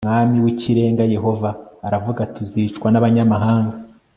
Umwami w Ikirenga Yehova aravuga ati uzicwa n abanyamahanga